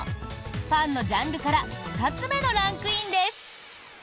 パンのジャンルから２つ目のランクインです。